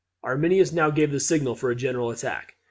Arminius now gave the signal for a general attack.